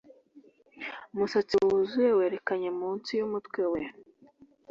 Umusatsi wuzuye werekanye munsi yumutwe we.